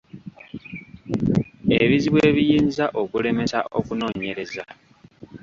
Ebizibu ebiyinza okulemesa okunoonyereza